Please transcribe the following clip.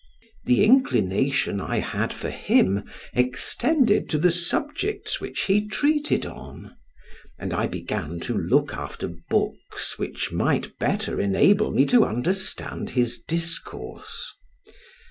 The inclination I had for him extended to the subjects which he treated on, and I began to look after books which might better enable me to understand his discourse.